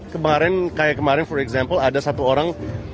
kemarin kayak kemarin for example ada satu orang